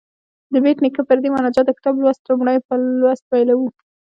د بېټ نیکه پر دې مناجات د کتاب لومړی لوست پیلوو.